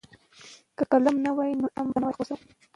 که قلم نه وای نو علم به نه وای خپور شوی.